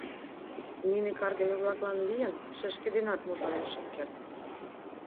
Нине каргыме-влаклан лийын шешке денат мутланен шым керт.